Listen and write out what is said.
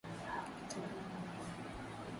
Joto jingi mwilini